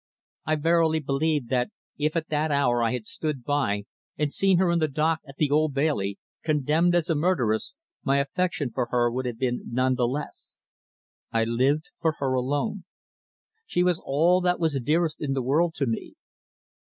I verily believe that if at that hour I had stood by and seen her in the dock at the Old Bailey, condemned as a murderess, my affection for her would have been none the less. I lived for her alone. She was all that was dearest in the world to me.